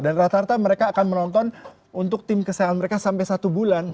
dan rata rata mereka akan menonton untuk tim kesehatan mereka sampai satu bulan